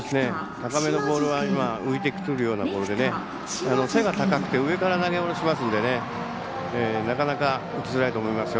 高めのボールは浮いてくるようなボールで背が高くて上から投げ下ろしますのでなかなか打ちづらいと思いますよ。